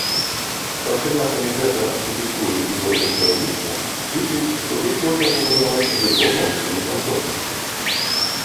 Старшыня камітэта архітэктуры і горадабудаўніцтва лічыць што тут можна пабудаваць жытло павышанай камфортнасці.